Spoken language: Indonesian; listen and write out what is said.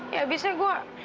ya abisnya gua